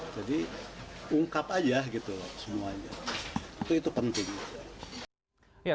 jadi ungkap aja gitu semuanya itu penting